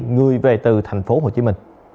người về từ tp hcm